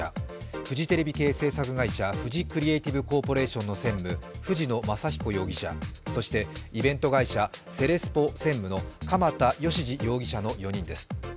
フジテレビ系制作会社の専務フジクリエイティブコーポレーションの専務・藤野昌彦容疑者、そして、イベント会社セレスポ専務の鎌田義次容疑者の４人です。